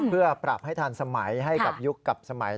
เพื่อปรับให้ทันสมัยให้กับยุคกับสมัย